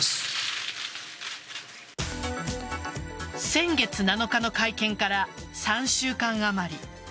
先月７日の会見から３週間あまり。